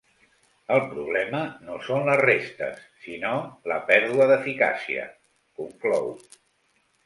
El problema no són les restes, sinó la pèrdua d’eficàcia, conclou.